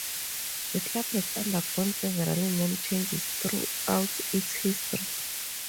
The club has undergone several name changes throughout its history.